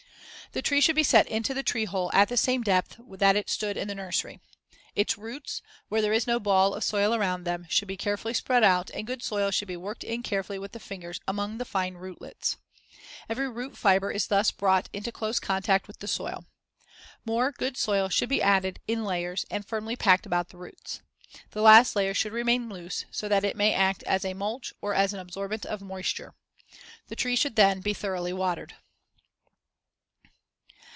The tree should be set into the tree hole at the same depth that it stood in the nursery. Its roots, where there is no ball of soil around them, should be carefully spread out and good soil should be worked in carefully with the fingers among the fine rootlets. Every root fibre is thus brought into close contact with the soil. More good soil should be added (in layers) and firmly packed about the roots. The last layer should remain loose so that it may act as a mulch or as an absorbent of moisture. The tree should then be thoroughly watered.